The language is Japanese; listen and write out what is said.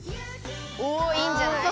おいいんじゃない？